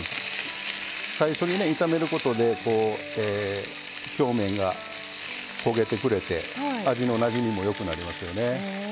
最初に炒めることで表面が焦げてくれて味のなじみも、よくなりますよね。